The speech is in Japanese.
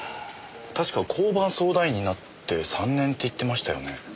確か交番相談員になって３年って言ってましたよね。